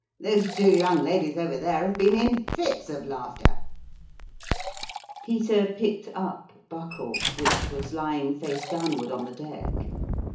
Those two young ladies over there have been in fits of laughter !" Peter picked up Buckle, which was lying face downward on the deck.